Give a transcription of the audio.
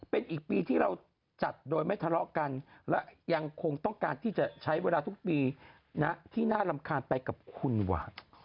เป็นอีกปีที่เราจัดโดยไม่ทะเลาะกันและยังคงต้องการที่จะใช้เวลาทุกปีที่น่ารำคาญไปกับคุณหว่ะ